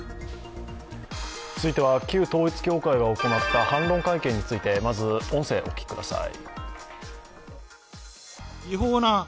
続いては旧統一教会が行った反論会見について、まず、音声、お聞きください。